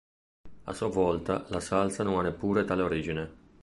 A sua volta, la salsa non ha neppure tale origine.